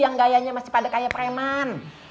yang gayanya masih pada kayak preman